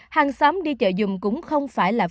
hàng xóm đi chợ dùm cũng không phải là pháp